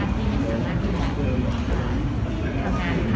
ที่มีเถิกหน้าที่ด้วยนะครับ